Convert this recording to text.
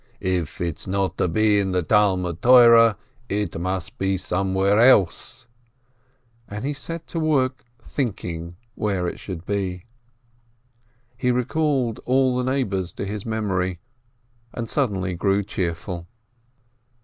"If it's not to be in the Talmud Torah, it must be somewhere else!" And he set to work thinking where it should be. He recalled all the neighbors to his mem ory, and suddenly grew cheerful.